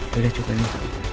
yaudah cukup ya